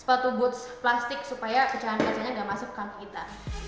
sepatu boots plastik supaya pecahan pecahannya tidak masuk ke kampung kita